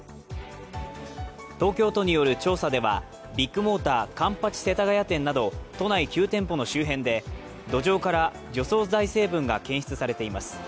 東京都による調査ではビッグモーター環八世田谷店など都内９店舗の周辺で土壌から除草剤成分が検出されています。